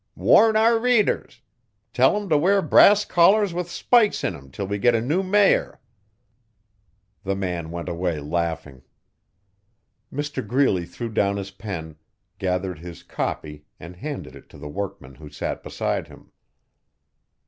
'Warn our readers. Tell 'em to wear brass collars with spikes in 'em till we get a new mayor. The man went away laughing. Mr Greeley threw down his pen, gathered his copy and handed it to the workman who sat beside him.